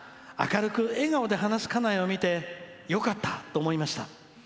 明るく笑顔で話す家内を見てよかったと思いました。